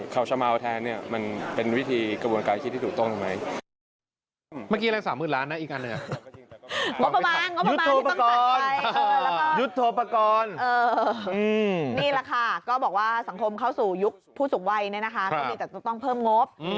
เขาจะเมาแทนเนี่ยมันเป็นวิธีกระบวนการคิดที่ถูกต้องไหม